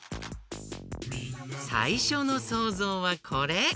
さいしょのそうぞうはこれ。